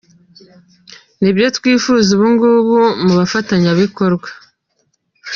Ni byo twifuza ubungubu mu bafatanyabikorwa.